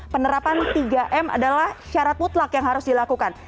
penerapan tiga m adalah syarat mutlak yang harus dilakukan